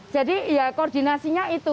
jadi ya koordinasinya itu